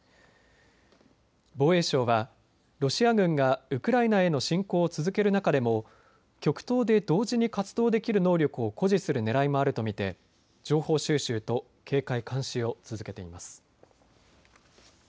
防衛省はロシア軍がウクライナへの侵攻を続ける中でも極東で同時に活動できる能力を誇示するねらいもあると見て情報収集と警戒・監視を続けています。